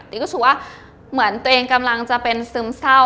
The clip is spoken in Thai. รู้สึกว่าเหมือนตัวเองกำลังจะเป็นซึมเศร้า